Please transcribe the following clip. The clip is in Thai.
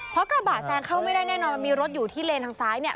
เพราะกระบะแซงเข้าไม่ได้แน่นอนมันมีรถอยู่ที่เลนทางซ้ายเนี่ย